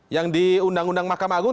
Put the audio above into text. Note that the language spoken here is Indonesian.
yang di undang undang mahkamah agung